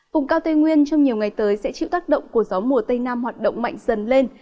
vùng cao tây nguyên trong nhiều ngày tới sẽ chịu tác động của gió mùa tây nam hoạt động mạnh dần lên